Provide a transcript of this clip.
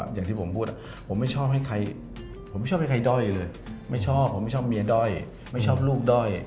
อย่างที่ผมพูดผมไม่ชอบให้ใครด้อยไม่ชอบเมียด้อยไม่ชอบลูกด้อย